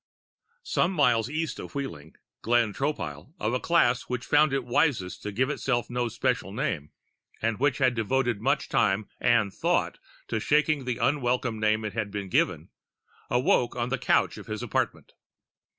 Some miles east of Wheeling, Glenn Tropile of a class which found it wisest to give itself no special name, and which had devoted much time and thought to shaking the unwelcome name it had been given awoke on the couch of his apartment.